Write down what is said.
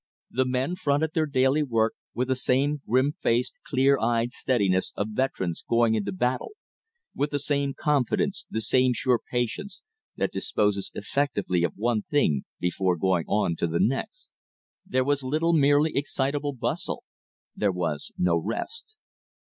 The men fronted their daily work with the same grim faced, clear eyed steadiness of veterans going into battle; with the same confidence, the same sure patience that disposes effectively of one thing before going on to the next. There was little merely excitable bustle; there was no rest.